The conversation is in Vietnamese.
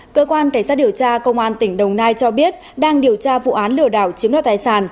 cơ quan cảnh sát điều tra công an tỉnh đồng nai cho biết đang điều tra vụ án lừa đảo chiếm đoạt tài sản